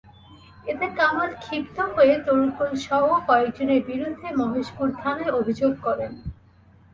এতে কামাল ক্ষিপ্ত হয়ে তরিকুলসহ কয়েকজনের বিরুদ্ধে মহেশপুর থানায় অভিযোগ করেন।